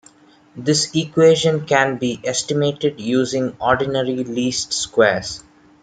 This equation can be estimated using ordinary least squares.